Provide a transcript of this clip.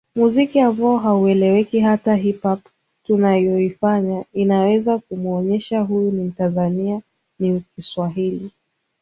muziki ambao haueleweki hata hip hop tunayoifanya inayoweza kumuonesha huyu ni mtanzania ni Kiswahili